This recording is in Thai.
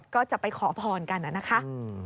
ก็จะไปขอพรกันนะคะ